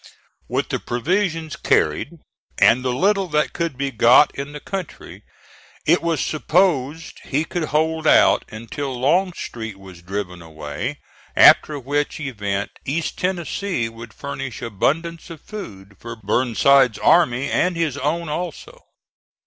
With the provisions carried, and the little that could be got in the country, it was supposed he could hold out until Longstreet was driven away, after which event East Tennessee would furnish abundance of food for Burnside's army and his own also.